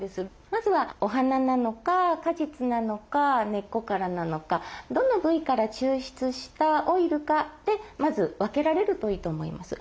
まずはお花なのか果実なのか根っこからなのかどの部位から抽出したオイルかでまず分けられるといいと思います。